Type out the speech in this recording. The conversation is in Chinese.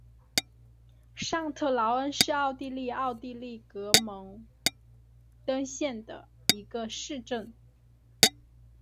上特劳恩是奥地利上奥地利州格蒙登县的一个市镇。